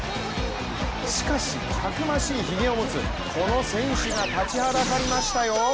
しかし、たくましいひげを持つこの選手が立ちはだかりましたよ。